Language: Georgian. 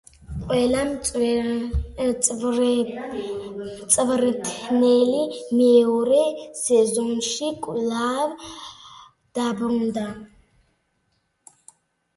ყველა მწვრთნელი მეორე სეზონში კვლავ დაბრუნდა.